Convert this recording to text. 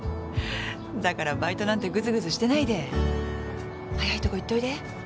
だからバイトなんてグズグズしてないで早いとこ行っといで。